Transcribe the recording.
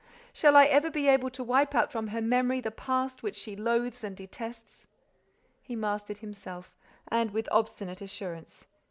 Shall I ever be able to wipe out from her memory the past which she loathes and detests?" He mastered himself and, with obstinate assurance.